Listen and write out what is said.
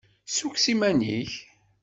Ssukkes iman-nnek.